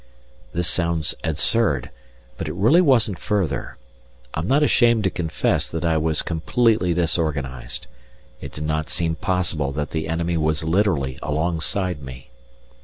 This sounds absurd, but it really wasn't further. I'm not ashamed to confess that I was completely disorganized; it did not seem possible that the enemy was literally alongside me.